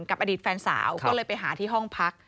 อดีตแฟนสาวก็เลยไปหาที่ห้องพัก